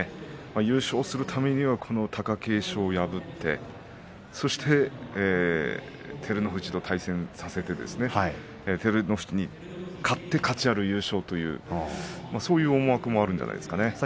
優勝するためには貴景勝を破ってそして、照ノ富士と対戦させて照ノ富士に勝って価値ある優勝というそういう思惑もあるんじゃないでしょうか。